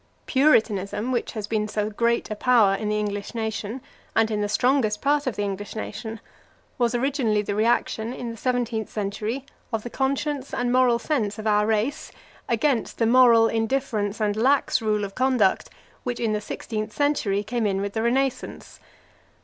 Puritanism, which has been so great a power in the English nation, and in the strongest part of the English nation, was originally the reaction, in the seventeenth century, of the conscience and moral sense of our race, against the moral indifference and lax rule of conduct which in the sixteenth century came in with the Renascence.